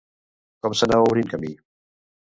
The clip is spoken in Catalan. Com s'anava obrint camí?